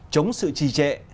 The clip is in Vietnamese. chống sự trì trệ